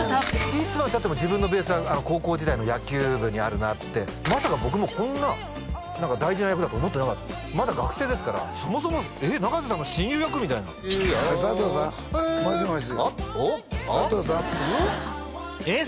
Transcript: いつまでたっても自分のベースは高校時代の野球部にあるなってまさか僕もこんな大事な役だと思ってなかったんですまだ学生ですからそもそもえっ長瀬さんが親友役？みたいな佐藤さん？もしもし？